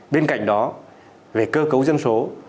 bên cạnh đó về cơ cấu dân số